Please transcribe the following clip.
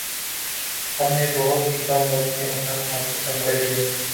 ھم نے بہت ہی کم وقت میں اپنا کام ختم کرلیا